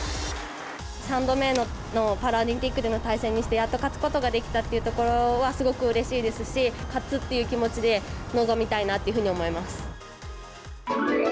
３度目のパラリンピックでの対戦にして、やっと勝つことができたっていうところはすごくうれしいですし、勝つっていう気持ちで、臨みたいなっていうふうに思います。